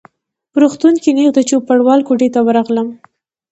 په روغتون کي نیغ د چوپړوال کوټې ته ورغلم.